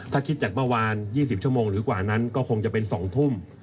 ถ้าคิดจากเมื่อวาน๒๐ชั่วโมงหรือกว่านั้นก็คงจะเป็น๒ทุ่ม